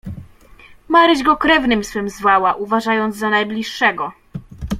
"Maryś go krewnym swym zwała, uważając za najbliższego."